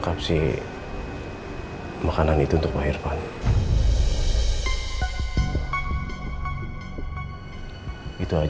eh siapa yang sakit om